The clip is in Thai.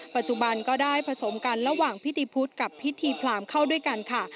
ปัจจุบันก็ได้ผสมกันระหว่างพิธีพุทธกับพิธีพรามเข้าด้วยกันค่ะ